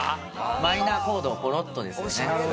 マイナーコードをポロッとですね。